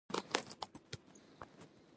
ږغ او ږوغ دی.